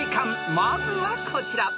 ［まずはこちら］